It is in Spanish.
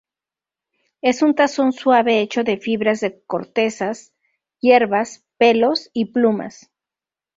Es un tazón suave hecho de fibras de cortezas, hierbas, pelos y plumas.